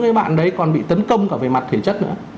với bạn đấy còn bị tấn công cả về mặt thể chất nữa